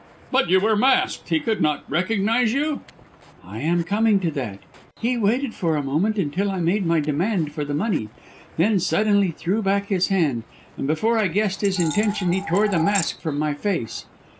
"But you were masked: he could not recognise you?" "I am coming to that. He waited for a moment, until I made my demand for the money, then suddenly threw back his hand, and before I guessed his intention he tore the mask from my face.